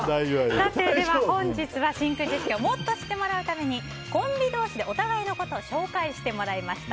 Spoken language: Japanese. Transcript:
本日は真空ジェシカをもっと知ってもらうためにコンビ同士でお互いのことを紹介してもらいました。